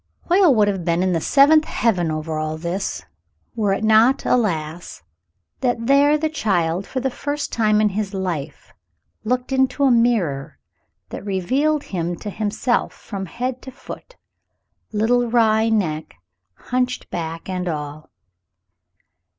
Hoyle would have been in the seventh heaven over all this, were it not, alas ! that there the child for the first time in his life looked into a mirror that revealed him to himself from head to foot, little wry neck, hunched back and all.